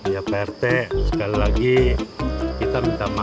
ya pak rt sekali lagi kita minta maaf ya